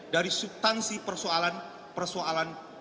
dari subtansi persoalan persoalan